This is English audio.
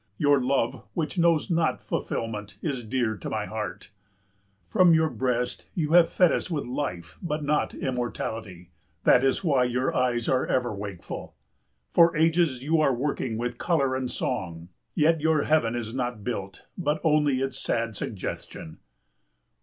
Your love which knows not fulfilment is dear to my heart. From your breast you have fed us with life but not immortality, that is why your eyes are ever wakeful. For ages you are working with colour and song, yet your heaven is not built, but only its sad suggestion.